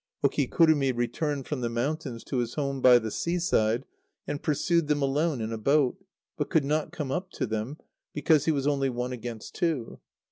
Okikurumi returned from the mountains to his home by the seaside, and pursued them alone in a boat; but could not come up to them, because he was only one against two.